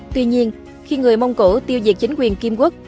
tuy nhiên khi người mông cổ tiêu diệt chính quyền kim quốc